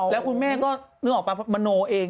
แล้วคุณแม่ก็นึกออกปะมโนเอง